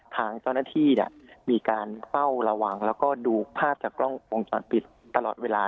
ทางเจ้าหน้าที่เนี่ยมีการเฝ้าระวังแล้วก็ดูภาพจากกล้องวงจรปิดตลอดเวลา